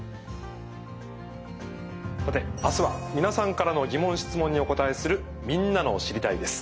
さて明日は皆さんからの疑問質問にお答えするみんなの「知りたい！」です。